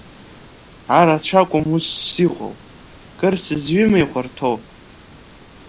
Арацәа акәым усс иҟоу, кыр сызҩыма ихәарҭоу?